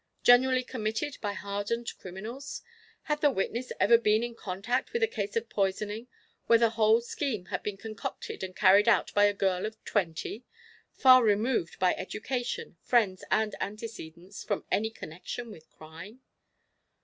generally committed by hardened criminals? Had the witness ever been in contact with a case of poisoning where the whole scheme had been concocted and carried out by a girl of twenty, far removed by education, friends and antecedents from any connection with crime?